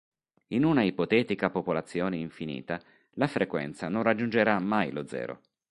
In una ipotetica popolazione infinita, la frequenza non raggiungerà mai lo zero.